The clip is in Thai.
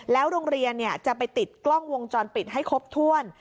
โรงเรียนจะไปติดกล้องวงจรปิดให้ครบถ้วน